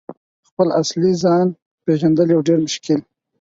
» خپل اصلي ځان « پیژندل یو ډیر مشکل